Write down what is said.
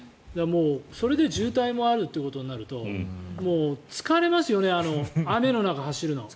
それで渋滞もあるということになると疲れますよね、雨の中走るの。